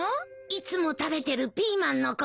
いつも食べてるピーマン残して。